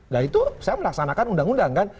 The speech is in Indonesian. nah itu saya melaksanakan undang undang kan